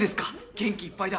元気いっぱいだ。